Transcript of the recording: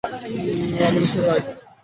আমার সাথে আয়!